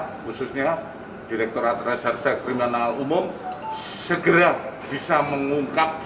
khususnya direkturat reserse kriminal umum segera bisa mengungkap